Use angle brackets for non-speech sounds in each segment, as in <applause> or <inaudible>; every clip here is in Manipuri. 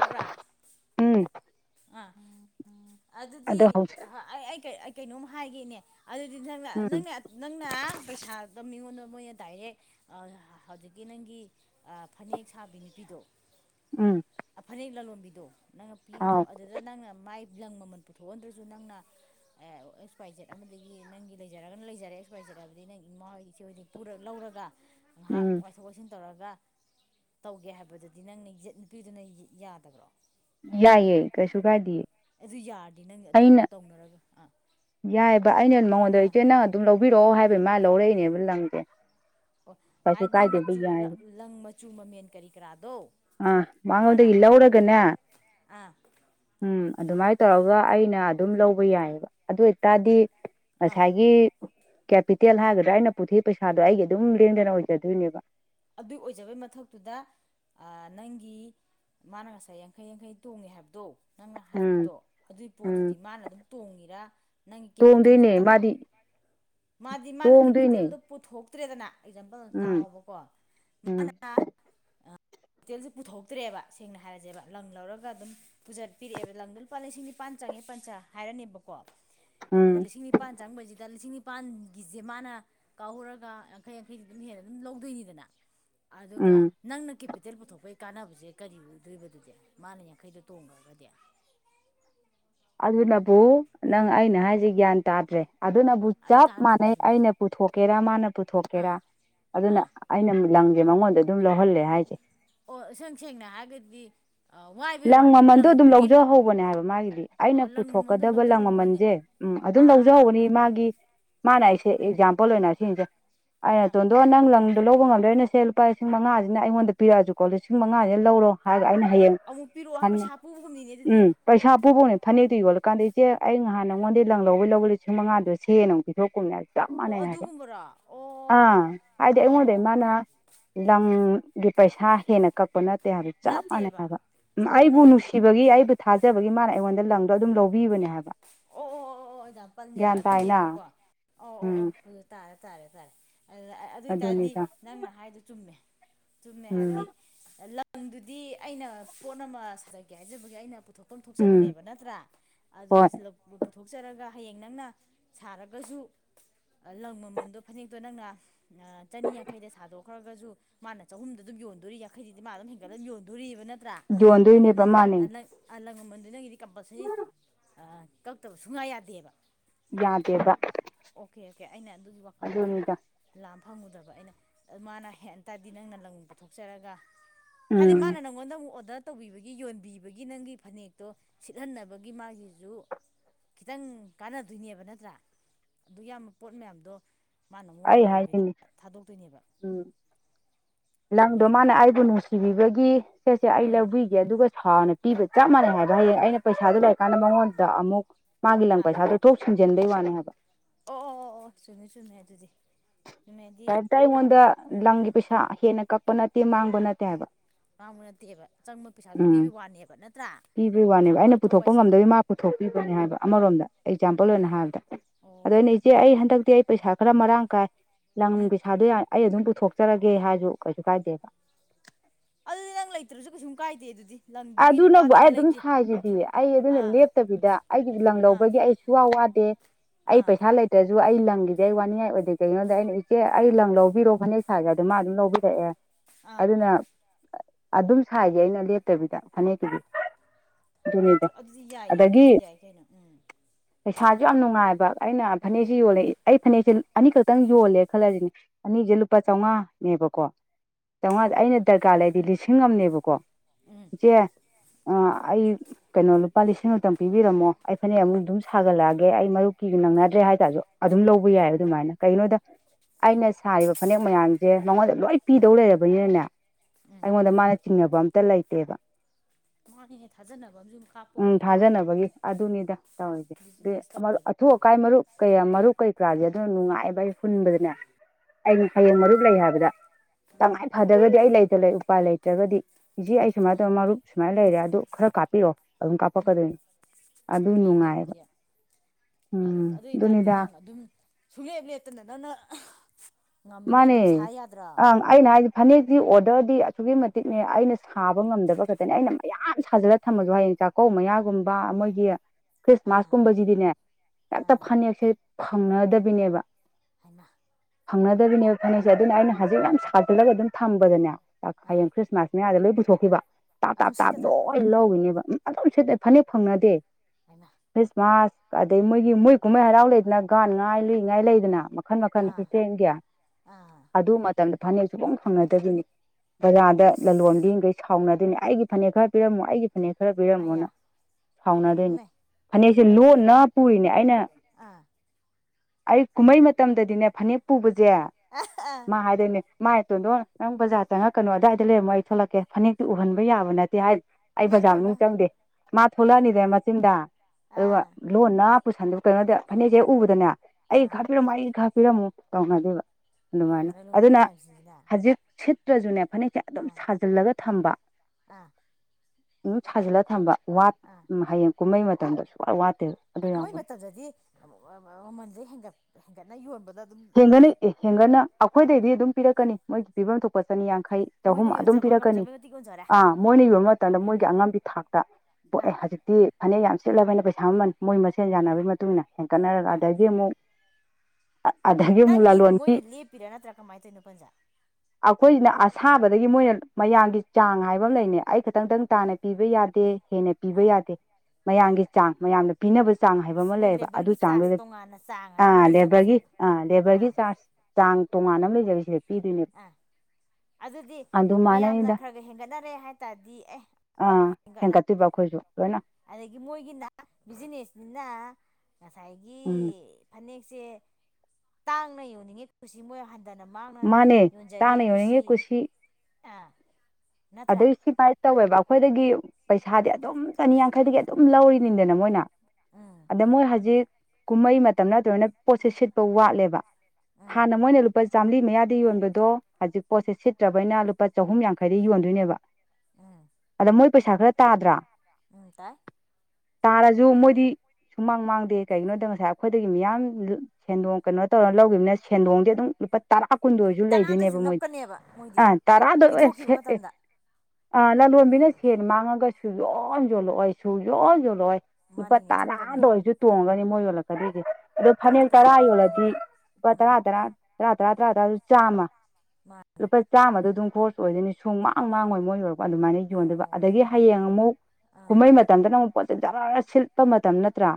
ꯇꯕ꯭ꯔ ꯎꯝ ꯑ ꯑꯗꯨꯗꯤ ꯑꯗꯣ ꯍꯧꯖꯤꯛ ꯍ ꯑꯩ ꯑꯩ ꯑꯩ ꯀꯩꯅꯣꯝ ꯍꯥꯏꯒꯦꯅꯦ ꯑꯗꯨꯗꯤ ꯅꯪꯅ ꯎꯝ ꯅꯪꯅ ꯅꯪꯅ ꯄꯩꯁꯥꯗꯣ ꯃꯤꯉꯣꯟꯗ ꯑꯗꯣ ꯃꯣꯏꯅ ꯗꯥꯏꯔꯦꯛ ꯑ ꯍꯧꯖꯤꯛꯀꯤ ꯅꯪꯒꯤ ꯐꯅꯦꯛ ꯁꯥꯕꯤ ꯅꯨꯄꯤꯗꯣ ꯎꯝ ꯑ ꯐꯅꯦꯛ ꯂꯂꯣꯟꯕꯤꯗꯣ ꯅꯪꯅ ꯄꯤꯔꯤꯗꯣ ꯍꯥꯎ ꯑꯗꯨꯗ ꯅꯪꯅ ꯃꯥꯏ ꯂꯪ ꯃꯃꯜ ꯄꯨꯊꯣꯛꯍꯟꯗ꯭ꯔꯁꯨ ꯅꯪꯅ ꯑꯦꯛꯁ ꯋꯥꯏ ꯖꯦꯠ ꯑꯃꯗꯒꯤ ꯅꯪꯒꯤ ꯂꯩꯖꯔꯒꯅ ꯂꯩꯖꯔꯦ ꯑꯦꯛꯁ ꯋꯥꯏ <unintelligible> ꯅꯪ ꯏꯃꯥ ꯍꯣꯏ ꯏꯆꯦ ꯍꯣꯏꯗꯩ ꯄꯨꯔ ꯂꯧꯔꯒ ꯉꯥꯏꯍꯥꯛ ꯎꯝ ꯋꯥꯏꯊꯣꯛ ꯋꯥꯏꯁꯤꯟ ꯇꯧꯔꯒ ꯇꯧꯒꯦ ꯍꯥꯏꯕꯗꯨꯗꯤ ꯅꯪꯅ ꯖꯠ ꯅꯨꯄꯤꯗꯨꯅ ꯌꯥꯗꯕ꯭ꯔꯣ ꯌꯥꯏꯌꯦ ꯀꯩꯁꯨ ꯀꯥꯏꯗꯤꯌꯦ ꯑꯗꯨ ꯌꯥꯔꯗꯤ ꯅꯪ ꯑꯗꯨ ꯑꯝ ꯇꯧꯅꯔꯒ ꯑꯥ ꯌꯥꯏꯌꯦꯕ ꯑꯩꯅ ꯃꯉꯣꯟꯗ ꯑꯥ ꯏꯆꯦ ꯅꯪ ꯑꯗꯨꯝ ꯂꯧꯕꯤꯔꯛꯑꯣ ꯍꯥꯏꯕꯩ ꯃꯥ ꯑꯗꯨꯝ ꯂꯧꯔꯛꯏꯅꯦꯕ ꯂꯪꯗꯣ ꯑꯣ ꯍꯥꯏꯗꯤ ꯃꯆꯨ ꯂꯪ ꯃꯆꯨ ꯃꯃꯦꯟ ꯀꯔꯤ ꯀꯔꯥꯗꯣ ꯃꯥꯅ ꯃꯥꯡꯉꯣꯟꯗꯒꯤ ꯍꯥꯏꯔꯦꯗꯅ ꯂꯧꯔꯒꯅꯦ ꯑꯥ ꯎꯝ ꯑꯗꯨꯃꯥꯏ ꯇꯧꯔꯒ ꯑꯩꯅ ꯑꯗꯨꯝ ꯂꯧꯕ ꯌꯥꯏꯌꯦꯕ ꯑꯗꯨ ꯑꯣꯏꯇꯥꯔꯗꯤ ꯎꯝ ꯑꯥ ꯉꯁꯥꯏꯒꯤ ꯀꯦꯄꯤꯇꯦꯜ ꯍꯥꯏꯒꯗ꯭ꯔꯥ ꯑꯩꯅ ꯄꯨꯊꯣꯛ ꯄꯩꯁꯥꯗꯣ ꯑꯩꯒꯤ ꯑꯗꯨꯝ ꯂꯦꯡꯗꯅ ꯑꯣꯏꯖꯗꯣꯏꯅꯦꯕ ꯑꯗꯨ ꯑꯣꯏꯖꯕꯩ ꯃꯊꯛꯇꯨꯗ ꯑ ꯅꯪꯒꯤ ꯃꯥꯅ ꯉꯁꯥꯏ ꯌꯥꯡꯈꯩ ꯌꯥꯡꯈꯩ ꯇꯣꯡꯉꯦ ꯍꯥꯏꯕꯗꯣ ꯅꯪꯅ ꯎꯝ ꯍꯥꯏꯕꯗꯣ ꯑꯗꯨꯒꯤ ꯎꯝ ꯄꯣꯠꯇꯨꯗꯤ ꯃꯥꯅ ꯑꯗꯨꯝ ꯇꯣꯡꯉꯤꯔ ꯅꯪꯒꯤ ꯀꯦꯄꯤꯇꯦꯜ ꯇꯣꯡꯗꯣꯏꯅꯦ ꯈꯛꯇꯃꯛ ꯃꯥꯗꯤ ꯃꯥꯗꯤ ꯃꯥꯅ ꯇꯣꯡꯗꯣꯏꯅꯦ ꯀꯦꯄꯤꯇꯦꯜꯗ ꯄꯨꯊꯣꯛꯇ꯭ꯔꯦꯗꯅ ꯑꯦꯛꯖꯥꯝꯄꯜ ꯑꯃ ꯎꯝ ꯇꯥꯎꯑꯣꯕꯀꯣ ꯎꯝ ꯃꯥꯅ <inaudible> ꯀꯦꯄꯤꯇꯦꯜꯁꯦ ꯄꯨꯊꯣꯛꯇ꯭ꯔꯦꯕ ꯁꯦꯡꯅ ꯍꯥꯏꯔꯁꯦꯕ ꯂꯪ ꯂꯧꯔꯒ ꯑꯗꯨꯝ ꯄꯨꯖꯟꯄꯤꯔꯛꯑꯦꯕ ꯂꯪꯗꯣ ꯂꯨꯄꯥ ꯂꯤꯁꯤꯡ ꯅꯤꯄꯥꯟ ꯆꯪꯉꯦ ꯍꯥꯏꯔꯅꯤꯕꯀꯣ ꯎꯝ ꯑꯗꯩ ꯂꯤꯁꯤꯡ ꯅꯤꯄꯥꯟ ꯆꯪꯕꯁꯤꯗ ꯂꯤꯁꯤꯡ ꯅꯤꯄꯥꯟꯒꯤꯁꯦ ꯃꯥꯅ ꯀꯛꯍꯧꯔꯒ ꯌꯥꯡꯈꯩ ꯌꯥꯡꯈꯩꯁꯦ ꯑꯗꯨꯝ ꯍꯦꯟꯅ ꯑꯗꯨꯝ ꯂꯧꯗꯣꯏꯅꯤꯗꯅ ꯑꯗꯨꯒ ꯎꯝ ꯅꯪꯅ ꯀꯦꯄꯤ ꯀꯦꯄꯤꯇꯦꯜ ꯄꯨꯊꯣꯛꯄꯒꯤ ꯀꯥꯟꯅꯕꯁꯦ ꯀꯔꯤꯗꯣꯏꯕꯗꯨꯗꯤ ꯃꯥꯅ ꯌꯥꯡꯈꯩꯗꯣ ꯇꯣꯡꯈ꯭ꯔꯒꯗꯤ ꯑꯗꯨꯅꯕꯨ ꯅꯪ ꯑꯩꯅ ꯍꯥꯏꯁꯦ ꯒ꯭ꯌꯥꯟ ꯇꯥꯗ꯭ꯔꯦ ꯑꯗꯨꯅꯕꯨ ꯑꯩ ꯆꯞ ꯇꯥꯗꯤꯌꯦ ꯃꯥꯟꯅꯩ ꯑꯗꯨꯝ ꯑꯩꯅ ꯄꯨꯊꯣꯛꯀꯦꯔꯥ ꯃꯥꯅ ꯄꯨꯊꯣꯛꯀꯦꯔꯥ ꯑꯥ ꯑꯗꯨꯅ ꯑꯥ ꯑꯩꯅ ꯂꯪꯖꯦ ꯃꯉꯣꯟꯗ ꯑꯗꯨꯝ ꯂꯧꯍꯜꯂꯦ ꯍꯥꯏꯁꯦ ꯑꯣ ꯁꯦꯡ ꯁꯦꯡꯅ ꯍꯥꯏꯔꯒꯗꯤ ꯋꯥꯏꯕꯩ ꯂꯪ ꯋꯥꯅꯦꯕ ꯃꯃꯜꯗꯣ ꯑꯗꯨꯝ ꯂꯪꯗꯨꯒꯤ ꯂꯧꯖꯍꯧꯕꯅꯦ ꯍꯥꯏꯕ ꯃꯥꯒꯤꯗꯤ ꯑꯩꯅ ꯂꯪ ꯃꯃꯥꯡꯗ ꯄꯨꯊꯣꯛꯀꯗꯕ ꯂꯪ ꯂꯧꯖꯍꯧꯕ ꯋꯥꯅꯦ ꯃꯃꯜꯁꯦ ꯎꯝ ꯑꯗꯨꯝ ꯑꯥ ꯑꯥ ꯂꯧꯖꯍꯧꯕꯅꯤ ꯃꯥꯒꯤ ꯃꯥꯅ ꯑꯥ ꯑꯥ ꯑꯩꯁꯦ ꯑꯦꯛꯖꯥꯝꯄꯜ ꯑꯣꯏꯅ ꯁꯤꯁꯤꯡꯁꯦ ꯑꯩꯩꯅ ꯑꯥ ꯇꯣꯟꯗꯣꯟ ꯅꯪ ꯂꯪꯗꯣ ꯂꯧꯕ ꯉꯝꯗ ꯂꯣꯏꯅ ꯁꯦ ꯂꯨꯄꯥ ꯂꯤꯁꯤꯡ ꯃꯉꯥꯁꯤꯅ ꯑꯩꯉꯣꯟꯗ ꯄꯤꯔꯛꯑꯁꯨꯀꯣ ꯂꯤꯁꯤꯡ ꯃꯉꯥꯁꯤꯅ ꯂꯧꯔꯣ ꯍꯥꯏꯔꯒ ꯑꯩꯅ ꯍꯌꯦꯡ ꯑꯃꯨꯛ ꯄꯤꯔꯛꯑꯣ ꯄꯩꯁꯥ ꯄꯨꯕꯒꯨꯝꯅꯤꯅꯦ ꯑꯗꯨꯗꯤ ꯎꯝ ꯑꯣ ꯄꯩꯁꯥ ꯊꯣꯛꯄ ꯐꯅꯦꯛ ꯐꯅꯦꯛꯇꯣ ꯌꯣꯜꯂꯀꯥꯟꯗ ꯏꯆꯦ ꯑꯩ ꯉꯍꯥꯟ ꯅꯉꯣꯟꯗ ꯂꯡ ꯂꯧꯕ ꯂꯤꯁꯤꯡ ꯃꯉꯥꯗꯣ ꯁꯦꯅ ꯑꯃꯨꯛ ꯄꯤꯊꯣꯛꯀꯨꯝꯕꯅꯦ ꯆꯞ ꯃꯥꯟꯅꯩ ꯍꯥꯏꯕ ꯑꯗꯨꯒꯨꯝꯕꯔꯣ ꯑꯣ ꯑꯥ ꯍꯥꯏꯗꯤ ꯑꯥ ꯑꯣ ꯑꯩꯉꯣꯟꯗꯩ ꯑꯣ ꯃꯥꯅ ꯂꯪ ꯒꯤ ꯄꯩꯁꯥ ꯍꯦꯟꯅ ꯀꯛꯄ ꯅꯠꯇꯦ ꯍꯥꯏꯕꯗꯤ ꯆꯞ ꯃꯥꯟꯅꯩ ꯅꯠꯇꯦꯕ ꯍꯥꯏꯕ ꯎꯝ ꯆꯞ ꯑꯩꯕꯨ ꯃꯥꯟꯅꯩꯌꯦꯕ ꯅꯨꯡꯁꯤꯕꯒꯤ ꯑꯩꯕꯨ ꯊꯥꯖꯕꯒꯤ ꯃꯥꯅ ꯑꯩꯉꯣꯟꯗ ꯂꯪꯗꯣ ꯑꯗꯨꯝ ꯂꯧꯕꯤꯕꯅꯦ ꯍꯥꯏꯕ ꯑꯣ ꯑꯣ ꯑꯣ ꯑꯣ ꯑꯣ ꯑꯦꯛꯖꯥꯝꯄꯜꯅꯦꯕ ꯒ꯭ꯌꯥꯟ ꯇꯥꯏꯅ ꯑꯗꯨꯅꯦꯕꯀꯣ ꯑꯣ ꯑꯣ ꯑꯣ ꯎꯝ ꯑꯗꯨ ꯇꯥꯔꯦ ꯇꯥꯔꯦ ꯇꯥꯔꯦ ꯑꯗꯨ ꯑꯗꯨ ꯑꯣꯏꯇꯥꯔꯗꯤ ꯑꯗꯨꯅꯤꯗ ꯅꯪꯅ ꯍꯥꯏꯗꯨ ꯆꯨꯝꯃꯦ ꯆꯨꯝꯃꯦ ꯎꯝ ꯍꯥꯏꯕꯗꯤ ꯂꯪꯗꯨꯗꯤ ꯑꯩꯅ ꯄꯣꯠ ꯑꯃ ꯁꯥꯖꯀꯦ ꯍꯥꯏꯖꯕꯒꯤ ꯑꯩꯅ ꯄꯨꯊꯣꯛꯐꯝ ꯎꯝ ꯊꯣꯛꯆꯕꯅꯦꯕ ꯅꯠꯇ꯭ꯔꯥ ꯑꯗꯨ ꯍꯣꯏ ꯄꯨꯊꯣꯛꯆꯔꯒ ꯍꯌꯦꯡ ꯅꯪꯅ ꯁꯥꯔꯒꯁꯨ ꯂꯪ ꯃꯃꯜꯗꯣ ꯐꯅꯦꯛꯇꯣ ꯅꯪꯅ ꯆꯅꯤ ꯌꯥꯡꯈꯩꯗ ꯁꯥꯗꯣꯛꯑ ꯈ꯭ꯔꯒꯁꯨ ꯃꯥꯅ ꯆꯍꯨꯝꯗ ꯑꯗꯨꯝ ꯌꯣꯟꯗꯣꯔꯤ ꯌꯥꯡꯈꯩꯗꯤ ꯃꯥ ꯑꯗꯨꯝ ꯍꯦꯟꯒꯠꯂ ꯌꯣꯟꯗꯣꯔꯤꯕ ꯅꯠꯇ ꯇ꯭ꯔꯥ ꯑꯗꯨꯗꯅ ꯌꯣꯟꯗꯣꯏꯅꯦꯕ ꯃꯥꯅꯦ ꯂꯪ ꯃꯃꯜꯗꯨ ꯅꯪꯒꯤꯗꯤ ꯀꯝꯄꯜꯁꯔꯤ ꯁꯨꯡꯌꯥ ꯌꯥꯗꯦꯕ ꯌꯥꯗꯦꯕ ꯑꯣꯀꯦ ꯑꯣꯀꯦ ꯑꯩꯅ ꯑꯗꯨꯒꯤ ꯋꯥꯈꯜꯗ ꯑꯩꯅ ꯑꯗꯨꯅꯤꯗ ꯂꯥ ꯐꯪꯉꯨꯗꯕ ꯑꯩꯅ ꯃꯥꯅ ꯍꯦꯇꯥꯔꯗꯤ ꯅꯪꯅ ꯂꯪ ꯄꯨꯊꯣꯛꯆꯔꯒ ꯍꯥꯏꯗꯤ ꯎꯝ ꯃꯥꯅ ꯅꯪꯉꯣꯟꯗ ꯑꯃꯨꯛ ꯑꯣꯗꯔ ꯇꯧꯕꯤꯕꯒꯤ ꯌꯣꯟꯕꯤꯕꯒꯤ ꯅꯪꯒꯤ ꯐꯅꯦꯛꯇꯣ ꯁꯤꯠꯍꯟꯅꯕꯒꯤ ꯃꯥꯒꯤꯖꯨ ꯈꯤꯇꯪ ꯀꯥꯟꯅꯗꯣꯏꯅꯦꯕ ꯅꯠꯇ꯭ꯔꯥ ꯑꯗꯨ ꯌꯥꯝꯕ ꯄꯣꯠ ꯃꯌꯥꯝꯗꯣ ꯃꯥꯅ ꯑꯃꯨꯛ ꯑꯩ ꯂꯂꯣꯟꯕꯤꯗ ꯍꯥꯏꯁꯤꯅꯤ ꯊꯥꯗꯣꯛꯇꯣꯏꯅꯦꯕ ꯎꯝ ꯆꯨꯝꯃꯦ ꯂꯪꯗꯣ ꯃꯥꯅ ꯑꯗꯨꯑꯣꯏꯗꯤ ꯑꯩꯕꯨ ꯅꯨꯡꯁꯤꯕꯤꯕꯒꯤ ꯁꯦꯁꯦ ꯑꯩ ꯎꯝ ꯂꯧꯕꯤꯒꯦ ꯑꯗꯨꯒ ꯁꯥꯎꯅ ꯄꯤꯕ ꯆꯞ ꯃꯥꯟꯅꯩ ꯍꯥꯏꯕ ꯍꯌꯦꯡ ꯑꯩꯅ ꯄꯩꯁꯥꯗꯨ ꯂꯩꯔꯀꯥꯟꯗ ꯃꯉꯣꯟꯗ ꯑꯃꯨꯛ ꯃꯥꯒꯤ ꯂꯪ ꯑꯥ ꯄꯩꯁꯥꯗꯣ ꯊꯣꯛ ꯁꯤꯡꯖꯤꯟꯕꯩ ꯋꯥꯅꯦ ꯍꯥꯏꯕ ꯑꯣ ꯑꯣ ꯑꯣ ꯆꯨꯝꯃꯦ ꯆꯨꯝꯃꯦ ꯑꯗꯨꯗꯤ ꯆꯨꯝꯃꯦ ꯍꯥꯏꯗꯤ ꯀꯩꯝꯇ ꯑꯩꯉꯣꯟꯗ ꯎꯝ ꯂꯪꯒꯤ ꯄꯩꯁꯥ ꯍꯦꯟꯅ ꯀꯛ ꯄ ꯅꯠꯇꯦ ꯃꯥꯡꯕ ꯅꯠꯇꯦ ꯍꯥꯏꯕ ꯃꯥꯡꯕ ꯅꯠꯇꯦꯕ ꯆꯪꯕ ꯄꯩꯁꯥꯗꯣ ꯎꯝ ꯄꯤꯕꯩ ꯋꯥꯅꯦꯕ ꯅꯠꯇ꯭ꯔꯥ ꯉꯍꯥꯛ ꯋꯥꯏꯊꯣꯛ ꯋꯥꯏꯁꯤꯟ ꯄꯤꯕꯅꯤ ꯍꯥꯏꯕ ꯑꯃꯔꯣꯝꯗ ꯑꯦꯛꯖꯥꯝꯄꯜ ꯑꯣꯏꯅ ꯑꯣ ꯍꯥꯏꯔꯕꯗ ꯑꯣ ꯑꯗꯣ ꯑꯣꯀꯦ ꯑꯩꯅ ꯏꯆꯦ ꯑꯣꯀꯦ ꯑꯩ ꯍꯟꯗꯛꯇꯤ ꯑꯩ ꯄꯩꯁꯥ ꯈꯔ ꯃꯔꯥꯡ ꯀꯥꯏ ꯂꯪ ꯎꯝ ꯄꯩꯁꯥꯗꯣ ꯌꯥ ꯑꯩ ꯑꯗꯨꯝ ꯄꯨꯊꯣꯛ ꯆꯔꯒꯦ ꯍꯥꯏꯔꯖꯨ ꯀꯩꯁꯨ ꯀꯥꯏꯗꯦꯕ ꯑꯗꯨꯗꯤ ꯅꯪ ꯂꯩꯇ꯭ꯔꯖꯨ ꯀꯩꯁꯨꯝ ꯀꯥꯏꯗꯦ ꯑꯗꯨꯗꯤ ꯂꯪꯗꯨꯒꯤꯗꯤ ꯑꯥꯗꯨꯅꯕꯨ ꯑꯩ ꯋꯥꯗꯤꯉꯥꯏ ꯑꯗꯨꯝ ꯂꯩꯇꯦ ꯁꯥꯏꯖꯤꯗꯤ ꯑꯩ ꯑꯗꯨꯅ ꯑꯥ ꯂꯦꯞꯇꯕꯤꯗꯥ ꯑꯩꯒꯤ ꯂꯪ ꯑꯥ ꯂꯧꯕꯒꯤ ꯑꯩ ꯁꯨꯋꯥ ꯋꯥ ꯗꯦ ꯑꯩ ꯑꯥ ꯄꯩꯁꯥ ꯂꯩꯇ꯭ꯔꯖꯨ ꯑꯩ ꯂꯪ ꯒꯤꯗꯤ ꯑꯩ ꯋꯥꯅꯤꯡꯉꯥꯏ ꯑꯣꯏꯗꯦ ꯀꯩꯩꯒꯤꯅꯣꯗ ꯑꯩꯅ ꯏꯆꯦ ꯑꯩ ꯑꯥ ꯂꯪ ꯂꯧꯕꯤꯔꯣ ꯐꯅꯦꯛ ꯁꯥꯒꯦ ꯍꯥꯏꯕꯗ ꯃꯥ ꯑꯗꯨꯝ ꯂꯧꯕꯤꯔꯛꯑꯦ ꯑꯥ ꯑꯗꯨꯅ ꯑꯗꯨꯝ ꯁꯥꯏꯖꯦ ꯑꯩꯅ ꯂꯦꯞꯇꯕꯤꯗ ꯐꯅꯦꯛꯀꯤꯗꯤ ꯑꯗꯨꯅꯤꯗ ꯅꯠꯇ꯭ꯔꯣ ꯑꯗꯨꯗꯤ ꯌꯥꯏꯌꯦ ꯑꯗꯨꯗꯤ ꯌꯥꯏ ꯀꯩꯅꯣ ꯎꯝ ꯄꯩꯁꯥꯖꯨ ꯌꯥꯝ ꯅꯨꯡꯉꯥꯏꯕ ꯑꯩꯅ ꯐꯅꯦꯛꯁꯦ ꯌꯣꯜꯂꯦ ꯑꯩ ꯐꯅꯦꯛꯁꯦ ꯑꯅꯤꯈꯛꯇꯪ ꯌꯣꯜꯂꯦ ꯈꯜꯂꯖꯤꯅꯦ ꯑꯅꯤꯖꯦ ꯂꯨꯄꯥ ꯆꯝꯉꯥꯅꯦꯕꯀꯣ ꯆꯥꯎꯉꯥꯖꯦ ꯑꯩꯅ ꯗꯔꯀꯥꯔ ꯂꯩꯗꯤ ꯂꯤꯁꯤꯡ ꯑꯝꯅꯦꯕꯀꯣ ꯏꯆꯦ ꯑꯥ ꯑꯩ ꯀꯩꯅꯣ ꯂꯨꯄꯥ ꯂꯤꯁꯤꯡꯑꯝꯇꯪ ꯄꯤꯕꯤꯔꯝꯃꯣ ꯑꯩ ꯐꯅꯦꯛ ꯑꯃꯨꯛ ꯑꯗꯨꯝ ꯁꯥꯒꯠꯂꯛꯑꯒꯦ ꯑꯩ ꯃꯔꯨꯞ ꯀꯤ ꯅꯪꯅꯗ꯭ꯔꯦ ꯍꯥꯏꯇꯥꯔꯖꯨ ꯑꯗꯨꯝ ꯂꯧꯕ ꯌꯥꯏꯕ ꯑꯗꯨꯃꯥꯏꯅ ꯀꯩꯒꯤꯅꯣꯗ ꯑꯩꯅ ꯁꯥꯔꯤꯕ ꯐꯅꯦꯛ ꯃꯌꯥꯝꯖꯦ ꯃꯉꯣꯟꯗ ꯂꯣꯏ ꯄꯤꯗꯧ ꯂꯩꯔꯕꯅꯤꯅꯅꯦ ꯑꯩꯉꯣꯟꯗ ꯃꯥꯅ ꯆꯤꯡꯅꯕ ꯑꯝꯇ ꯂꯩꯇꯦꯕ ꯃꯥꯟꯅꯤꯍꯦ ꯊꯥꯖꯅꯕ ꯑꯝꯖꯨ ꯃꯈꯥ ꯎꯝ ꯊꯥꯖꯅꯕꯒꯤ ꯑꯗꯨꯅꯤꯗ ꯇꯧꯔꯤꯖꯦ ꯑꯗꯨ ꯕꯤꯖꯤꯅꯦꯁ ꯃꯔꯨ ꯇꯧꯔꯗꯤ ꯑꯊꯨ ꯑꯀꯥꯏ ꯃꯔꯨꯞ ꯀꯌꯥꯝ ꯃꯔꯨꯞ ꯀꯩꯀ꯭ꯔꯥ ꯑꯗꯨꯅ ꯅꯨꯡꯉꯥꯏꯕ ꯑꯩ ꯍꯨꯟꯕꯗꯅꯦ ꯑꯩ ꯍꯌꯦꯡ ꯃꯔꯨꯞ ꯂꯩ ꯍꯥꯏꯕꯗ ꯇꯉꯥꯏ ꯐꯗ꯭ꯔꯒꯗꯤ ꯑꯩ ꯂꯩꯇ ꯂꯩ ꯎꯄꯥꯏ ꯂꯩꯇ꯭ꯔꯒꯗꯤ ꯏꯆꯦ ꯑꯩ ꯁꯨꯃꯥꯏ ꯇꯧ ꯃꯔꯨꯞ ꯁꯨꯃꯥꯏꯅ ꯂꯩꯔꯦ ꯑꯗꯣ ꯈꯔ ꯀꯥꯞꯄꯤꯔꯣ ꯑꯗꯨꯝ ꯀꯥꯞꯄꯛꯀꯗꯣꯏꯅꯤ ꯑꯗꯨ ꯅꯨꯡꯉꯥꯏꯌꯦꯕ ꯎꯝ ꯑꯗꯤ ꯑꯗꯨ ꯑꯣꯏꯇꯥꯔꯗꯤ ꯑꯗꯨꯅꯤꯗ ꯅꯪ ꯑꯗꯨꯝ ꯁꯨꯡꯂꯦꯞ ꯂꯦꯞꯇꯅ ꯅꯪꯅ ꯉꯝꯃꯤꯉꯩ ꯑꯗꯨꯝ ꯁꯥ ꯃꯥꯅꯦ ꯌꯥꯗ ꯑꯪ ꯑꯩꯅ ꯍꯥꯏꯖꯤ ꯐꯅꯦꯛꯇꯤ ꯑꯣꯗꯔꯗꯤ ꯑꯁꯨꯛꯀꯤ ꯃꯇꯤꯛꯅꯦ ꯑꯩꯅ ꯁꯥꯕ ꯉꯝꯗꯕ ꯈꯛꯇꯅꯦ ꯑꯩꯅ ꯃꯌꯥꯝ ꯁꯥꯖꯜꯂ ꯊꯝꯃꯖꯨ ꯍꯌꯦꯡ ꯆꯥꯛꯀꯧ ꯃꯌꯥꯒꯨꯝꯕ ꯃꯣꯏꯒꯤ ꯈ꯭ꯔꯤꯁꯃꯥꯁ ꯑꯥ ꯀꯨꯝꯕꯖꯤꯗꯤꯅꯦ ꯍꯦꯛꯇ ꯑꯥ ꯐꯅꯦꯛꯁꯦ ꯐꯪꯅꯗꯕꯤꯅꯦꯕ ꯍꯩꯃ ꯐꯪꯅꯗꯕꯤꯅꯦꯕ ꯐꯅꯦꯛꯁꯦ ꯑꯗꯨꯅ ꯑꯩꯅ ꯍꯧꯖꯤꯛ ꯀꯟ ꯁꯥꯒꯠꯂꯒ ꯑꯗꯨꯝ ꯊꯝꯕꯗꯅꯦ ꯑꯥ ꯍꯌꯦꯡ ꯈ꯭ꯔꯤꯁꯃꯥꯁ ꯃꯌꯥꯗ ꯂꯣꯏ ꯄꯨꯊꯣꯛꯈꯤꯕ ꯇꯥꯞ ꯇꯥꯞ ꯑꯗꯨꯝ ꯇꯥꯞ ꯁꯤꯠꯀꯗ꯭ꯔꯥ ꯂꯣꯏ ꯂꯧꯒꯤꯅꯤꯕ ꯑꯗꯨꯝ ꯁꯦꯠꯇꯦ ꯐꯅꯦꯛ ꯐꯪꯅꯗꯦ ꯍꯩꯃꯥ ꯈ꯭ꯔꯤꯁꯃꯥꯁ ꯑꯗꯩ ꯃꯣꯏꯒꯤ ꯃꯣꯏ ꯀꯨꯝꯍꯩ ꯍꯔꯥꯎ ꯂꯩꯗꯅ ꯒꯥꯟꯉꯥꯏ ꯂꯨꯏꯉꯥꯏ ꯂꯩꯗꯅ ꯃꯈꯟ ꯃꯈꯟ ꯑꯥ ꯈ꯭ꯔꯤꯁꯇꯦꯟꯒꯤ ꯑꯥ ꯑꯗꯨ ꯃꯇꯝꯗ ꯐꯅꯦꯛ ꯁꯨꯡꯐꯪ ꯐꯪꯅꯗꯕꯤꯅꯤ ꯕꯖꯥꯔꯗ ꯏꯁ ꯂꯂꯣꯟꯕꯤꯡꯒꯩ ꯁꯥꯎꯅ ꯗꯨꯅꯦ ꯑꯩꯒꯤ ꯐꯅꯦꯛ ꯈꯔ ꯄꯤꯔꯝꯃꯣ ꯑꯩꯒꯤ ꯐꯅꯦꯛ ꯈꯔ ꯑꯌꯥ ꯄꯤꯔꯝꯃꯣꯅ ꯁꯥꯎꯅꯗꯣꯏꯅꯦ ꯏꯃꯥꯏ ꯐꯅꯦꯛꯁꯦ ꯂꯣꯟꯅ ꯑꯗꯨꯗꯤꯅꯤ ꯄꯨꯔꯤꯅꯦ ꯑꯩꯅ ꯑꯥ ꯑꯩ ꯀꯨꯝꯍꯩ ꯃꯇꯝꯗꯗꯤꯅꯦ ꯐꯅꯦꯛ ꯄꯨꯕꯖꯦ ꯑꯥ ꯑꯥ ꯃꯥ ꯍꯥꯏꯗꯣꯏꯅꯦ ꯃꯥꯏ ꯇꯣꯟꯗꯣꯟ ꯅꯪ ꯕꯖꯥꯔ ꯆꯪꯉꯛꯀꯅꯨ ꯑꯗꯥꯏꯗ ꯂꯩꯔꯝꯃꯣ ꯑꯩ ꯊꯣꯂꯛꯀꯦ ꯐꯅꯛꯇꯨ ꯎꯍꯟꯕ ꯌꯥꯕ ꯅꯠꯇꯦ ꯍꯥꯏ ꯑꯩ ꯏꯃꯥꯏ ꯕꯖꯥꯔ ꯄꯦꯝꯃ ꯃꯅꯨꯡ ꯆꯪꯗꯦ ꯃꯥ ꯑꯥ ꯊꯣꯛꯂꯛꯑꯅꯤꯗꯅ ꯃꯆꯤꯟꯗ ꯑꯗꯨꯒ ꯑꯥ ꯂꯣꯟꯅ ꯄꯨꯁꯟꯂꯨ ꯀꯩꯅꯣꯗꯤ ꯐꯅꯦꯛꯁꯦ ꯍꯦꯛ ꯎꯕꯗꯅꯦ ꯑꯩ ꯑꯥ ꯈꯥꯛꯄꯤꯔꯝꯃꯣ ꯑꯩ ꯈꯥꯛꯄꯤꯔꯝꯃꯨ ꯇꯧꯅꯗꯣꯏꯕ ꯑꯌꯥ ꯑꯗꯨꯃꯥꯏꯅ ꯂꯂꯣꯟꯕꯤ ꯑꯗꯨꯅ ꯃꯌꯥꯝꯁꯤꯡꯁꯤꯅ ꯍꯖꯤꯛ ꯁꯤꯠꯇ꯭ꯔꯖꯨꯅꯦ ꯐꯅꯦꯛꯁꯦ ꯑꯗꯨꯝ ꯑꯥ ꯁꯥꯖꯜꯂꯒ ꯊꯝꯕ ꯑꯥ ꯑꯗꯨꯝ ꯁꯥꯖꯜꯂ ꯊꯝꯕ ꯋꯥꯠ ꯎꯝ ꯍꯌꯦꯡ ꯀꯨꯝꯃꯩ ꯃꯇꯝꯗ ꯁꯨꯋꯥ ꯋꯥꯠ ꯑꯩꯈꯣꯏ ꯃꯇꯝꯗꯗꯤ ꯃꯃꯜꯗꯩ ꯍꯦꯟꯒꯠ ꯍꯦꯟꯒꯠꯅ ꯌꯣꯟꯕ ꯍꯦꯟꯒꯠꯅ ꯑꯦ ꯍꯦꯟꯒꯠꯅ ꯑꯩꯈꯣꯏꯗꯩꯗꯤ ꯑꯗꯨꯝ ꯄꯤꯔꯛꯀꯅꯤ ꯃꯣꯏꯒꯤ ꯄꯤꯐꯝ ꯊꯣꯛꯄ ꯆꯅꯤ ꯌꯥꯡ ꯌꯥꯡꯈꯩ ꯃꯣꯏꯅ ꯆꯍꯨꯝ ꯑꯗꯨꯝ ꯌꯣꯟꯖꯕ ꯄꯤꯔꯛꯀꯅꯤ ꯉꯝꯖꯕꯩ ꯃꯇꯤꯛ ꯌꯣꯟꯖꯔꯦ ꯑꯥ ꯃꯣꯏꯅ ꯌꯣꯟꯕ ꯃꯇꯝꯗ ꯃꯣꯏꯒꯤ ꯑꯉꯝꯕꯤ ꯊꯥꯛ ꯇ ꯄꯣꯛꯑꯦ ꯑꯥ ꯍꯧꯖꯤꯛꯇꯤ ꯐꯅꯦꯛ ꯌꯥꯝ ꯁꯤꯠꯂꯕꯅꯦ ꯄꯩꯁꯥ ꯃꯃꯜ ꯃꯣꯏ ꯃꯁꯦꯜ ꯌꯥꯅꯕꯒꯤ ꯃꯇꯨꯡ ꯏꯟꯅ ꯍꯦꯟꯒꯠꯅꯔꯒ ꯑꯥ ꯑꯗꯩꯗꯤ ꯑꯃꯨꯛ ꯑꯗꯒꯤ ꯑꯃꯨꯛ ꯅꯪꯒꯤꯗꯤ ꯂꯂꯣꯟꯕꯤ ꯃꯣꯏꯅ ꯂꯦꯞꯄꯤꯔꯥ ꯅꯠꯇ꯭ꯔꯥ ꯀꯃꯥꯏꯅ ꯇꯧꯔꯤꯅꯣ ꯄꯟꯖꯥ ꯑꯩꯈꯣꯏꯁꯤꯅ ꯑꯁꯥꯕꯗꯒꯤ ꯃꯣꯏꯅ ꯃꯌꯥꯝꯒꯤ ꯆꯥꯡ ꯍꯥꯏꯕ ꯑꯃ ꯂꯩꯅꯦ ꯑꯩ ꯈꯛꯇꯪꯗꯪ ꯇꯥꯅ ꯄꯤꯕ ꯌꯥꯗꯦ ꯍꯦꯟꯅ ꯄꯤꯕ ꯑꯥ ꯌꯥꯗꯦ ꯑꯥ ꯃꯌꯥꯝꯒꯤ ꯆꯥꯡ ꯃꯌꯥꯝꯗ ꯄꯤꯅꯕ ꯆꯥꯡ ꯍꯥꯏꯕ ꯏꯁ ꯑꯃ ꯃꯣꯏ ꯂꯩꯌꯦꯕ ꯑꯗꯨ ꯂꯦꯕꯔꯒꯤ ꯆꯥꯔꯖ ꯆꯥꯡꯗꯨꯗ ꯇꯣꯉꯥꯟꯅ ꯆꯥꯡ ꯑꯅ ꯑꯃ ꯑꯥ ꯂꯦꯕꯔꯒꯤ ꯂꯩꯖꯕꯖꯦ ꯑꯥ ꯂꯦꯕꯔꯒꯤ ꯆꯥꯔꯖ ꯆꯥꯡ ꯇꯣꯉꯥꯟꯅ ꯑꯃ ꯂꯩꯖꯔꯤꯁꯦ ꯄꯤꯗꯣꯏꯅꯦ ꯑꯥ ꯑꯗꯨꯗꯤ ꯃꯌꯥꯝꯅ ꯈ꯭ꯔꯒ꯭ꯔ ꯍꯦꯟꯒꯠꯅꯔꯦ ꯍꯥꯏ ꯇꯥꯔꯗꯤ ꯑꯦ ꯑꯥ ꯍꯦꯟꯒꯠꯅ ꯍꯦꯟꯒꯠꯇꯣꯏꯕ ꯑꯩꯈꯣꯏꯁꯨ ꯂꯣꯏꯅ ꯑꯗꯒꯤ ꯃꯣꯏꯒꯤꯅ ꯕꯤꯖꯤꯅꯦꯁꯅꯤꯅ ꯉꯁꯥꯏꯒꯤ ꯎꯝ ꯐꯅꯦꯛ ꯁꯦ ꯇꯥꯡꯅ ꯌꯣꯟꯅꯤꯡꯉꯤ ꯀꯨꯁꯤ ꯃꯣꯏ ꯍꯟ ꯗꯅ ꯃꯍꯥꯛꯅ ꯃꯥꯅꯦ ꯌꯣꯟꯖꯒꯦ ꯇꯥꯡꯅ ꯀꯨꯁꯤ ꯌꯣꯟꯅꯤꯡꯉꯤ <unintelligible> ꯑꯩꯈꯣꯏꯗꯒꯤ ꯄꯩꯁꯥꯗꯤ ꯑꯗꯨꯝ ꯆꯅꯤꯌꯥꯡꯈꯩꯗꯒꯤ ꯑꯗꯨꯝ ꯂꯧꯔꯤꯅꯤꯗꯅ ꯃꯣꯏꯅ ꯑꯗ ꯃꯣꯏ ꯍꯧꯖꯤꯛ ꯀꯨꯝꯍꯩ ꯃꯇꯝ ꯅꯠꯇ꯭ꯔꯅ ꯄꯣꯠꯁꯦ ꯁꯤꯠꯄ ꯋꯥꯠꯂꯦꯕ ꯍꯥꯟꯅ ꯃꯣꯏꯅ ꯂꯨꯄꯥ ꯆꯥꯝꯃꯔꯤ ꯃꯌꯥꯗ ꯌꯣꯟꯕꯗꯣ ꯍꯧꯖꯤꯛ ꯄꯣꯠꯁꯦ ꯁꯤꯠꯇ꯭ꯔꯕꯅ ꯂꯨꯄꯥ ꯆꯍꯨꯝ ꯌꯥꯡꯈꯩꯗꯤ ꯌꯣꯟ ꯅꯦꯕ ꯑꯗ ꯃꯣꯏ ꯄꯩꯁꯥ ꯈꯔ ꯇꯥꯗ꯭ꯔꯥ ꯇꯥꯏ ꯇꯥꯔꯁꯨ ꯃꯣꯏꯗꯤ ꯁꯨꯃꯥꯡ ꯃꯥꯡꯗꯦ ꯀꯩꯒꯤꯅꯣꯗ ꯉꯁꯥꯏ ꯑꯩꯈꯣꯏꯗꯒꯤ ꯃꯤꯌꯥꯝ ꯁꯦꯟꯗꯣꯡ ꯀꯩꯅꯣ ꯇꯧꯔꯒ ꯂꯧꯈꯤꯕꯅꯤꯅ ꯁꯦꯟꯗꯣꯡꯗꯤ ꯑꯗꯨꯝ ꯂꯨꯄꯥ ꯇꯔꯥ ꯀꯨꯟꯗ ꯑꯣꯏꯔꯁꯨ ꯇꯔꯥꯗꯩꯁꯨ ꯂꯩꯗꯣꯏꯅꯦꯕ ꯃꯣꯏ ꯅꯞꯀꯅꯦꯕ ꯃꯣꯏꯗꯤ ꯑꯥ ꯇꯔꯥꯗ ꯄꯤꯊꯣꯛꯈꯤꯕ ꯃꯇꯝꯗ ꯑꯥ ꯂꯂꯣꯟꯕꯤꯅ ꯁꯦꯟ ꯃꯥꯡꯉꯒ ꯁꯨ ꯌꯣꯟ ꯌꯣꯜꯂꯛꯑꯣꯏ ꯁꯨ ꯌꯣꯟ ꯌꯣꯜꯂꯛꯑꯣꯏ ꯂꯨꯄꯥ ꯃꯥꯅꯤꯅꯦ ꯇꯥꯔ ꯆꯨꯝꯕꯝꯅꯦ ꯑꯥꯗ ꯑꯣꯏꯁꯨ ꯇꯣꯡꯉꯒꯅꯤ ꯃꯣꯏ ꯌꯣꯜꯂꯛꯀꯗꯣꯏꯁꯦ ꯑꯗꯣ ꯄꯣꯠꯇ ꯐꯅꯦꯛ ꯄꯩꯁꯥ ꯇꯔꯥ ꯌꯣꯜꯂꯗꯤ ꯑꯣꯟꯊꯣꯛꯇꯣꯏꯅꯦꯕ ꯂꯨꯄꯥ ꯑꯥ ꯇꯔꯥ ꯇꯔꯥ ꯇꯔꯥ ꯇꯔꯥ ꯇꯔꯥ ꯇꯔꯥ ꯆꯥꯝꯃ ꯃꯥꯅꯤ ꯂꯨꯄꯥ ꯆꯥꯝꯃꯗ ꯑꯗꯨꯝ ꯈꯣꯔꯁ ꯑꯣꯏꯗꯣꯏꯅꯤ ꯁꯨꯡ ꯃꯥꯡ ꯃꯥꯡꯉꯣꯏ ꯃꯣꯏ ꯑꯣꯏꯔ ꯑꯗꯨꯃꯥꯏꯅ ꯌꯣꯟꯗꯕ ꯑꯣ ꯑꯗꯒꯤ ꯍꯌꯦꯡ ꯑꯃꯨꯛ ꯑꯥ ꯀꯨꯝꯍꯩ ꯃꯇꯝꯗꯅ ꯑꯃꯨꯛ ꯄꯣꯠꯁꯦ ꯖꯔꯥ ꯁꯤꯠ ꯄ ꯃꯇꯝ ꯅꯠꯇ꯭ꯔꯥ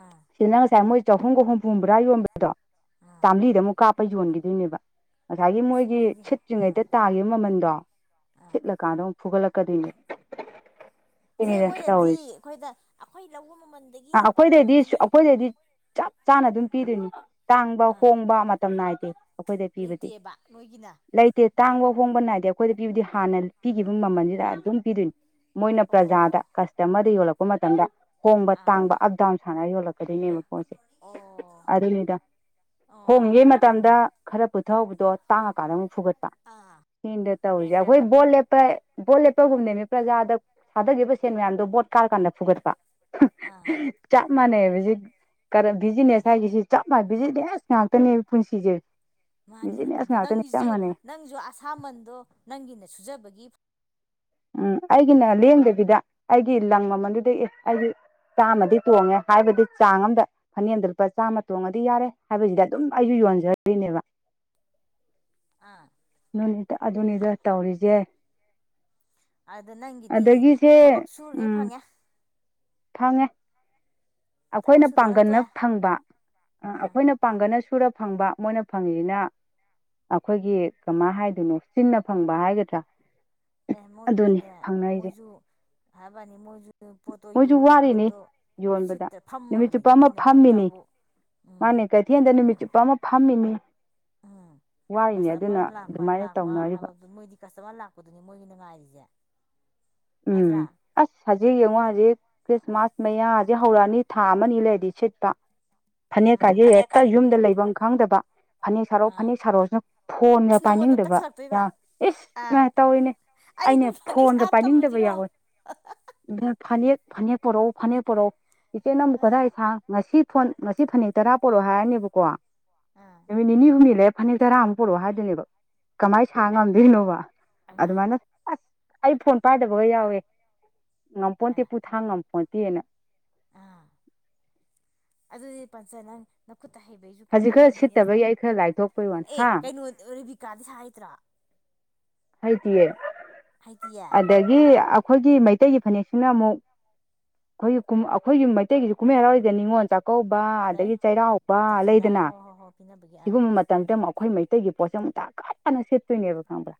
ꯑꯥ ꯁꯤꯗꯅ ꯉꯁꯥꯏ ꯃꯣꯏ ꯆꯍꯨꯝꯒ ꯍꯨꯝꯐꯨ ꯍꯕ꯭ꯔꯥ ꯌꯣꯟꯕꯗꯣ ꯑꯥ ꯆꯥꯝꯃ꯭ꯔꯤꯗ ꯑꯃꯨꯛ ꯀꯥꯞꯄ ꯌꯣꯟꯈꯤꯗꯣꯏꯅꯦꯕ ꯉꯁꯥꯏꯒꯤ ꯏꯁ ꯃꯣꯏꯒꯤ ꯃꯣꯏꯗꯤ ꯑꯥ ꯁꯤꯠꯇ꯭ꯔꯤꯉꯩꯗ ꯇꯥꯈꯤꯕ ꯃꯃꯟꯗꯣ ꯑꯥ ꯁꯤꯠꯂꯀꯥꯟꯗ ꯑꯃꯨꯛ ꯐꯨꯒꯠꯂꯛꯀꯗꯣꯏꯅꯦ ꯑꯁꯦ ꯁꯤꯅꯤꯗ ꯃꯣꯏꯅꯗꯤ ꯇꯧꯔꯤꯁꯦ ꯑꯩꯈꯣꯏꯗ ꯑꯩꯈꯣꯏ ꯂꯧꯕ ꯃꯃꯜꯗꯒꯤ ꯂꯨꯄꯥ ꯑꯩꯈꯣꯏꯗꯗꯤ ꯀꯨꯟꯗꯅꯤ ꯑꯩꯈꯣꯏꯗꯗꯤ ꯆꯞ ꯆꯥꯅ ꯑꯗꯨꯝ ꯄꯤꯗꯣꯏꯅꯤ ꯇꯥꯡꯕ ꯑꯥ ꯍꯣꯡꯕ ꯃꯇꯝ ꯅꯥꯏꯗꯦ ꯑꯩꯈꯣꯏꯗ ꯄꯤꯕꯗꯤ ꯂꯩꯇꯦꯕ ꯅꯣꯏꯒꯤꯅ ꯂꯩꯇꯦ ꯇꯥꯡꯕ ꯍꯣꯡꯕ ꯅꯥꯏꯗꯦ ꯑꯩꯈꯣꯏꯗ ꯄꯤꯕꯨꯗꯤ ꯍꯥꯟꯅ ꯄꯤꯈꯤꯕ ꯃꯃꯜꯁꯤꯗ ꯑꯗꯨꯝ ꯄꯤꯗꯣꯏꯅꯤ ꯃꯣꯏꯅ ꯄ꯭ꯔꯖꯥꯗ ꯑꯣ ꯀꯁꯇꯃꯔꯗ ꯌꯣꯜꯂꯛꯄ ꯃꯇꯝꯗ ꯍꯣꯡꯕ ꯑꯥ ꯇꯥꯡꯕ ꯑꯞ ꯗꯥꯎꯟ ꯁꯥꯟꯅꯔ ꯌꯣꯜꯂꯛꯀꯗꯣꯏꯅꯦꯕ ꯄꯣꯠꯁꯦ ꯑꯣ ꯑꯗꯨꯅꯤꯗ ꯑꯣ ꯍꯣꯡꯉꯤꯉꯩ ꯃꯇꯝꯗ ꯈꯔ ꯄꯨꯊꯍꯧꯕꯗꯣ ꯇꯥꯡꯉꯀꯥꯟꯗ ꯑꯃꯨꯛ ꯐꯨꯒꯠꯄꯗ ꯑꯥ ꯇꯧꯔꯤꯁꯦ ꯑꯩꯈꯣꯏ ꯕꯣꯠ ꯂꯦꯞꯄ ꯕꯣꯠ ꯂꯦꯞꯄꯒꯨꯝꯗꯃꯤ ꯄ꯭ꯔꯖꯥꯗ ꯊꯥꯗꯈꯤꯕ ꯁꯦꯟ ꯃꯌꯥꯝꯗꯣ ꯕꯣꯠ ꯀꯥꯔ ꯀꯥꯟꯗ ꯐꯨꯒꯠꯄ ꯑꯥ ꯆꯞ ꯃꯥꯟꯅꯩ ꯍꯧꯖꯤꯛ ꯀꯔ ꯍꯩ ꯕꯤꯖꯤꯅꯦꯁ ꯍꯥꯏꯒꯤꯁꯤ ꯆꯞ ꯃꯥꯟꯅ ꯕꯤꯖꯤꯅꯦꯁ ꯉꯥꯛꯇꯅꯦꯕ ꯄꯨꯟꯁꯤꯁꯦ ꯃꯥꯅꯤꯅꯦ ꯕꯤꯖꯤꯅꯦꯁ ꯄꯟꯖ ꯉꯥꯛꯇꯅꯤ ꯆꯞ ꯅꯪꯒꯤꯁꯨ ꯃꯥꯟꯅꯩ ꯅꯪꯁꯨ ꯑꯁꯥꯃꯟꯗꯣ ꯅꯪꯒꯤꯅ ꯁꯨꯖꯕꯒꯤ ꯎꯝ ꯑꯩꯒꯤꯅ ꯂꯦꯡꯗꯕꯤꯗ ꯑꯩꯒꯤ ꯂꯪ ꯃꯃꯜꯗꯨꯗꯒꯤ ꯑꯦ ꯑꯩꯒꯤ ꯆꯥꯝꯃꯗꯤ ꯇꯣꯡꯉꯦ ꯍꯥꯏꯕꯗꯤ ꯆꯥꯡ ꯑꯃꯝꯗ ꯐꯅꯦꯛ ꯑꯃꯗ ꯂꯨꯄꯥ ꯆꯥꯝꯃ ꯇꯣꯡꯉꯗꯤ ꯌꯥꯔꯦ ꯍꯥꯏꯕꯁꯤꯗ ꯑꯗꯨꯝ ꯑꯩꯁꯨ ꯌꯣꯟꯖꯔꯤꯅꯦꯕ ꯑꯥ ꯅꯨ ꯑꯗꯨꯅꯤꯗ ꯇꯧꯔꯤꯁꯦ ꯑꯗ ꯅꯪꯒꯤꯗꯤ ꯑꯗꯒꯤꯁꯦ ꯊꯕꯛ ꯁꯔꯤꯉꯩ ꯎꯝ ꯐꯪꯉꯦ ꯐꯪꯉꯦ ꯊꯕꯛ ꯑꯩꯈꯣꯏꯅ ꯁꯨꯗ꯭ꯔꯒꯅ ꯄꯥꯡꯒꯜꯅ ꯇꯣꯛꯑꯦ ꯐꯪꯕ ꯑꯥ ꯑꯩꯈꯣꯏꯅ ꯄꯥꯡꯒꯜꯅ ꯁꯨꯔ ꯐꯪꯕ ꯃꯣꯏꯅ ꯐꯪꯉꯤꯁꯤꯅ ꯑꯩꯈꯣꯏꯒꯤ ꯀꯃꯥꯏ ꯍꯥꯏꯗꯣꯏꯅꯣ ꯆꯤꯟꯅ ꯐꯪꯕ ꯍꯥꯏꯒꯗ꯭ꯔꯥ ꯑꯦ ꯑꯗꯨꯅꯤ ꯃꯣꯏꯒꯤꯅꯅꯦ ꯐꯪꯅꯔꯤꯁꯦ ꯃꯣꯏꯖꯨ ꯍꯥꯏꯕꯅꯤ ꯃꯣꯏꯖꯨ ꯄꯣꯠꯇꯣ ꯃꯣꯏꯁꯨ ꯌꯣꯂꯤ ꯋꯥꯔꯤꯅꯤ ꯄꯣꯠꯇꯣ ꯌꯣꯟꯕꯗ ꯁꯤꯠꯇ ꯐꯝꯃꯒ ꯅꯨꯃꯤꯠ ꯆꯨꯞꯄ ꯂꯩꯗꯣꯏ ꯑꯃ ꯃꯤꯅꯣ ꯐꯝꯃꯤꯅꯤ ꯉꯥꯏꯝꯇꯕꯨ ꯎꯝ ꯃꯥꯅꯦ ꯀꯩꯊꯦꯜꯗ ꯅꯨꯃꯤꯠ ꯆꯨꯞꯄ ꯑꯃ ꯐꯝꯃꯤꯅꯤ ꯎꯝ <inaudible> ꯀꯁꯇꯃꯔ ꯑꯗꯨꯅ ꯂꯥꯛꯄ ꯑꯗꯨꯃꯥꯏꯅ ꯂꯥꯛꯄ ꯇꯧꯅꯔꯤꯕ ꯍꯥꯏꯕꯗꯨ ꯃꯣꯏꯗꯤ ꯀꯁꯇꯃꯔ ꯂꯥꯛꯄꯗꯨꯅꯤ ꯃꯣꯏꯒꯤꯅ ꯉꯥꯏꯔꯤꯁꯦ ꯎꯝ ꯅꯠꯇ꯭ꯔꯥ ꯑꯁ ꯍꯧꯖꯤꯛ ꯌꯦꯡꯉꯣ ꯍꯧꯖꯤꯛ ꯈ꯭ꯔꯤꯁꯃꯥꯁ ꯃꯌꯥꯁꯦ ꯍꯧꯔꯛꯑꯅꯤ ꯊꯥ ꯑꯃꯅꯤ ꯂꯩꯔꯗꯤ ꯁꯤꯠꯄ ꯐꯅꯦꯛ ꯎꯝ ꯀꯥꯏꯁꯦ ꯍꯦꯛꯇ ꯌꯨꯝꯗ ꯂꯩꯐꯝ ꯈꯪꯗꯕ ꯐꯅꯦꯛ ꯁꯥꯔꯣ ꯑꯥ ꯐꯅꯦꯛ ꯁꯥꯔꯣꯁꯤꯅ ꯐꯣꯟꯒ ꯑꯁ ꯅꯪꯉꯣꯟꯗ ꯄꯥꯏꯅꯤꯡꯗꯕ ꯌꯥ ꯇꯛꯁꯜꯂꯛꯇꯣꯏꯕ ꯏꯁ ꯇꯧꯔꯤꯅꯦ ꯑꯩꯅ ꯑꯩꯗꯨꯝ ꯐꯅꯦꯛ ꯐꯣꯟꯒ ꯁꯕ ꯄꯥꯏꯅꯤꯡꯗꯕ ꯌꯥꯎꯋꯦ ꯐꯅꯦꯛ ꯐꯅꯦꯛ ꯄꯣꯔꯛꯎ ꯐꯅꯦꯛ ꯄꯣꯔꯛꯎ ꯏꯆꯦꯅ ꯑꯃꯨꯛ ꯑ ꯀꯗꯥꯏ ꯁꯥꯥꯡ ꯉꯁꯤ ꯐꯣꯟ ꯉꯁꯤ ꯐꯅꯦꯛ ꯇꯔꯥ ꯄꯣꯔꯛꯑꯣ ꯍꯥꯏꯔꯅꯦꯕꯀꯣ ꯑꯥ ꯅꯨꯃꯤꯠ ꯅꯤꯅꯤ ꯍꯨꯝꯅꯤ ꯂꯩꯔ ꯐꯅꯦꯛ ꯇꯔꯥ ꯑꯃꯨꯛ ꯄꯨꯔꯛꯑꯣ ꯍꯥꯏꯗꯣꯏꯅꯦꯕ ꯀꯃꯥꯏꯅ ꯁꯥ ꯉꯝꯗꯣꯏꯅꯣꯕ ꯑꯃ ꯑꯗꯨꯃꯥꯏꯅ ꯑꯁ ꯑꯩ ꯐꯣꯟ ꯄꯥꯏꯗꯕ ꯌꯥꯎꯋꯦ ꯉꯝꯄꯣꯟꯇꯦ ꯍꯥꯏꯕ ꯄꯨꯊꯥꯡ ꯉꯝꯄꯣꯟꯇꯦꯅ ꯑꯥ ꯑꯗꯨꯗꯤ ꯄꯟꯆꯥ ꯅꯪ ꯈꯨꯠꯇ ꯍꯩꯕꯩꯁꯨ ꯍꯧꯖꯤꯛ ꯈꯔ ꯀꯥꯟꯅꯔꯤꯃꯤꯅꯦ ꯑꯗꯣ ꯁꯤꯠꯇꯕꯒꯤ ꯑꯩ ꯈꯔ ꯂꯥꯏꯊꯣꯛꯄꯩ ꯋꯥꯅꯤ ꯑꯦ ꯍꯥ ꯀꯩꯅꯣ ꯔꯤ ꯪꯀꯥꯗꯤ ꯁꯥ ꯍꯩꯇ꯭ꯔꯣ ꯍꯩꯇꯤꯌꯦ ꯍꯩꯇꯤꯌꯦ ꯑꯗꯒꯤ ꯑꯩꯈꯣꯏꯒꯤ ꯃꯩꯇꯩꯒꯤ ꯐꯅꯦꯛꯁꯤꯅ ꯑꯃꯨꯛ ꯑꯩꯈꯣꯏꯒꯤ ꯀꯨꯝ ꯑꯩꯈꯣꯏꯒꯤ ꯃꯩꯇꯩꯒꯤꯁꯨ ꯀꯨꯝꯍꯩ ꯍꯔꯥꯎꯗ ꯅꯤꯡꯉꯣꯜ ꯆꯥꯛ ꯆꯥꯛꯀꯧꯕ ꯂꯩ ꯑꯗꯒꯤ ꯆꯩꯔꯥꯎꯕ ꯗꯈꯤꯅꯥ ꯂꯩꯗꯅ ꯍꯣꯏ ꯍꯣꯏ ꯍꯣꯏ ꯄꯤꯅꯕꯒꯤ ꯑꯥ ꯁꯤꯒꯨꯝꯕ ꯃꯇꯝꯗ ꯑꯃꯨꯛ ꯑꯩꯈꯣꯏ ꯃꯩꯇꯩ ꯇꯩꯒꯤ ꯄꯣꯠꯁꯦ ꯑꯃꯨꯛ ꯇꯛꯈꯠꯇꯅ ꯁꯤꯠꯇꯣꯏꯅꯦꯕ ꯈꯪꯕ꯭ꯔꯥ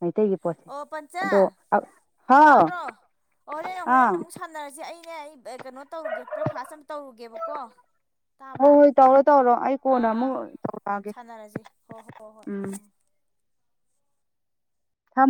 ꯃꯩꯇꯩꯒꯤ ꯄꯣꯠꯁꯦ ꯑꯣ ꯄꯟꯆ ꯑꯗꯣ ꯍꯥꯎ ꯇꯥꯕ꯭ꯔꯣ ꯑꯣ ꯍꯣꯔꯦꯟ ꯑꯥ ꯍꯣꯔꯦꯟ ꯑꯃꯨꯛ ꯁꯥꯟꯅꯔꯁꯦ ꯑꯩꯅꯦ ꯑꯩ ꯀꯩꯅꯣ ꯇꯧꯔꯨꯒꯦ ꯕ꯭ꯔꯦꯛꯐꯥꯁ ꯑꯃ ꯇꯧꯔꯨꯒꯦꯕꯀꯣ ꯇꯥꯕ꯭ꯔꯥ ꯍꯣꯏ ꯍꯣꯏ ꯇꯧꯔꯣ ꯇꯧꯔꯣ ꯑꯩ ꯑꯥ ꯀꯣꯟꯅ ꯑꯥ ꯑꯃꯨꯛ ꯇꯧꯔꯛꯑꯒꯦ ꯁꯥꯟꯅꯔꯁꯤ ꯍꯣ ꯍꯣꯏ ꯍꯣꯏ ꯍꯣꯏ ꯎꯝ ꯊꯝ